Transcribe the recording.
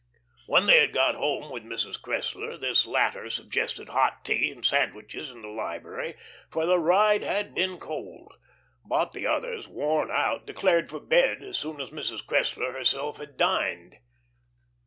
When they had got home with Mrs. Cressler, this latter suggested hot tea and sandwiches in the library, for the ride had been cold. But the others, worn out, declared for bed as soon as Mrs. Cressler herself had dined.